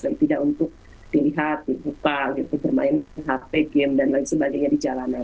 dan tidak untuk dilihat dibuka bermain hp game dan lain sebagainya di jalanan